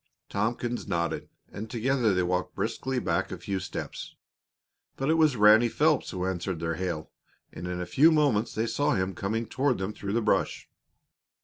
Tompkins nodded, and together they walked briskly back a few steps. But it was Ranny Phelps who answered their hail, and in a few moments they saw him coming toward them through the brush.